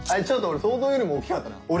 ちょっと俺想像よりも大きかったな。